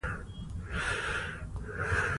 د کابل سیند د افغانانو لپاره په معنوي لحاظ ارزښت لري.